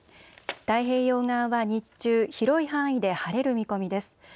太平洋側は日中、広い範囲で晴れる見込みです。